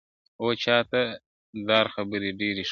o چاته د دار خبري ډيري ښې دي.